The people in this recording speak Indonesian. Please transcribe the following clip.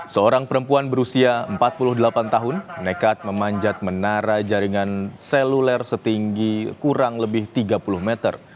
seorang perempuan berusia empat puluh delapan tahun nekat memanjat menara jaringan seluler setinggi kurang lebih tiga puluh meter